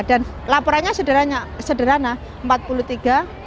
dan laporannya sederhana